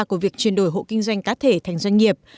của việc chuyển đổi hộ kinh doanh cá thể thành doanh nghiệp